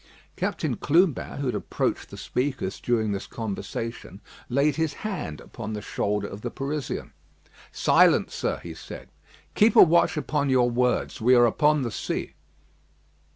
Captain Clubin, who had approached the speakers during this conversation, laid his hand upon the shoulder of the Parisian. "Silence, sir," he said. "Keep a watch upon your words. We are upon the sea."